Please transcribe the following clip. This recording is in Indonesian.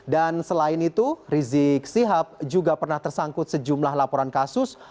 dan selain itu rizik sihab juga pernah tersangkut sejumlah laporan kasus